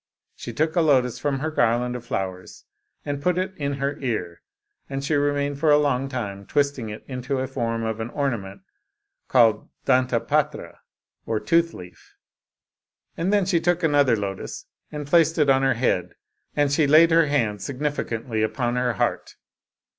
She took a lotus from her garland of flowers, and put it in her ear, and she remained for a long time twisting it into the form of an ornament called dantapatra or tooth leaf, and then she took another lotus and placed it on her head, and she laid her hand significantly upon her heart.